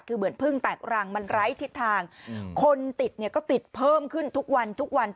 คือเหมือนพึ่งแตกรังมันไร้ทิศทางคนติดเนี่ยก็ติดเพิ่มขึ้นทุกวันทุกวัน